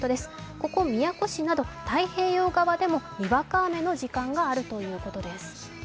ここ宮古市など太平洋側でもにわか雨の時間があるということです。